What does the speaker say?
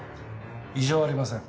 異常ありません。